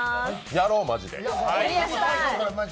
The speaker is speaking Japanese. やろう、マジで。